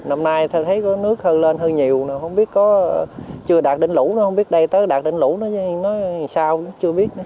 năm nay thấy có nước hơn lên hơn nhiều không biết có chưa đạt đến lũ không biết đây tới đạt đến lũ nói sao cũng chưa biết